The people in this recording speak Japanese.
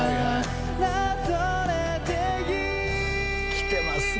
きてますね。